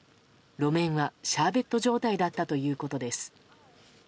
路面はシャーベット状態だったということです。